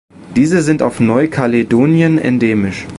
Diese sind auf Neukaledonien endemisch.